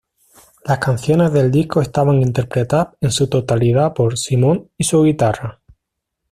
Las canciones del disco estaban interpretadas en su totalidad por Simon y su guitarra.